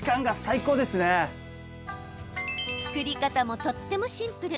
作り方も、とってもシンプル。